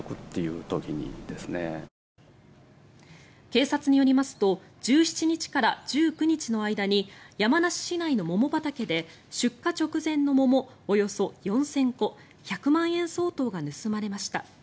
警察によりますと１７日から１９日の間に山梨市内の桃畑で出荷直前の桃およそ４０００個１００万円相当が盗まれました。